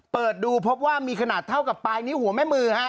เปิดดูพบว่ามีขนาดเท่ากับปลายนิ้วหัวแม่มือฮะ